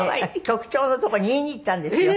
局長のとこに言いに行ったんですよ。